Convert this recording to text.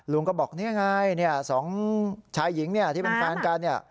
ก็บอกนี่ไงสองชายหญิงเนี่ยที่เป็นแฟนกันเนี่ย